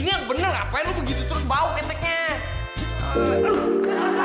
ini yang bener ngapain lo begitu terus bau keteknya